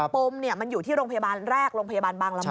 ปมมันอยู่ที่โรงพยาบาลแรกโรงพยาบาลบางละมุ